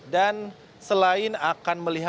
dan selain akan melihat